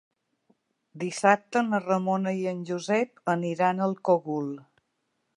Dissabte na Ramona i en Josep aniran al Cogul.